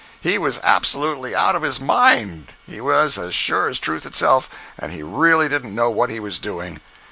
He was absolutely out of his mind—he was, as sure as truth itself, and he really didn't know what he was doing.